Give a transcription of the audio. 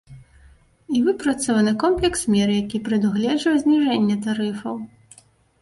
І выпрацаваны комплекс мер, які прадугледжвае зніжэнне тарыфаў.